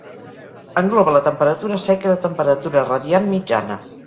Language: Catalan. Engloba la temperatura seca i la temperatura radiant mitjana.